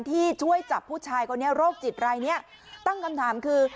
ที่ช่วยจับผู้ชายคนนี้โรคจิตรายเนี้ยตั้งคำถามคือ